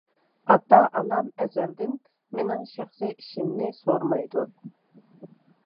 ئاتا-ئانام ئەزەلدىن مېنىڭ شەخسىي ئىشىمنى سورىمايدۇ.